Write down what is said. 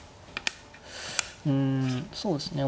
うんそうですね